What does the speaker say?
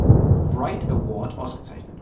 Write Award ausgezeichnet.